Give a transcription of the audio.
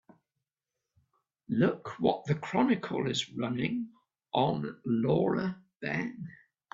Look what the Chronicle is running on Laura Ben.